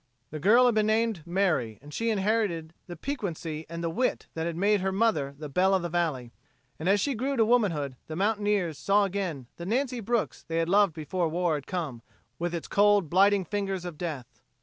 The girl had been named Mary, and she inherited the piquancy and wit that had made her mother the belle of the valley, and as she grew to womanhood the mountaineers saw again the Nancy Brooks they had loved before war had come with its cold blighting fingers of death.